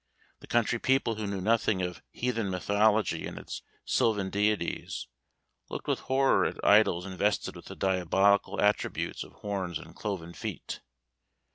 The country people, who knew nothing of heathen mythology and its sylvan deities, looked with horror at idols invested with the diabolical attributes of horns and cloven feet.